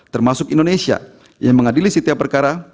termasuk indonesia yang mengadili setiap perkara